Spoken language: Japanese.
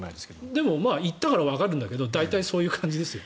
でも、行ったからわかるんだけど大体そういう感じですよ。